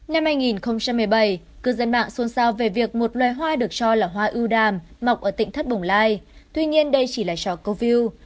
năm hai nghìn một mươi bảy cư dân mạng xôn xao về việc một loài hoa được cho là hoa ưu đàm mọc ở tỉnh thất bồng lai tuy nhiên đây chỉ là trò câu view